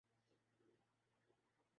اطراف سے وافر دلائل مو جود ہیں۔